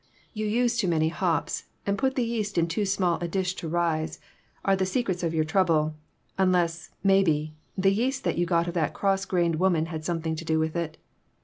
You used too many hops and put the yeast in too small a dish to rise, are the secrets of your trouble, unless, maybe, the yeast that you got of that cross Drained woman had something to do with it.